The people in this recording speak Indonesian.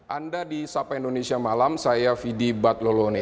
anda di sapa indonesia malam saya fidi batlolone